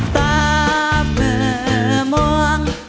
ตามเมื่อมอง